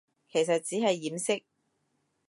其實只係掩飾